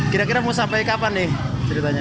kira kira mau sampai kapan nih ceritanya